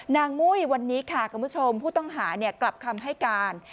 มุ้ยวันนี้ค่ะคุณผู้ชมผู้ต้องหากลับคำให้การ